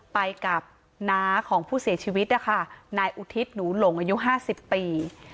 ไปกับน้าของผู้เสียชีวิตนะคะนายอุทิศหนูหลงอายุ๕๐ปี